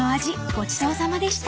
ごちそうさまでした］